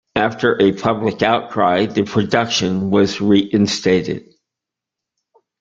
After a public outcry, the production was reinstated.